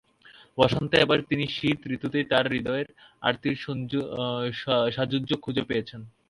বসন্তে এবার তিনি শীত ঋতুতেই তাঁর হূদয়ের আর্তির সাযুজ্য খুঁজে পেয়েছেন।